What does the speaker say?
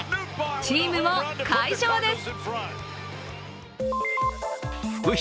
チームも快勝です。